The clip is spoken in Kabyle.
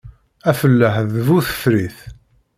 Afellaḥ d bu tefrit.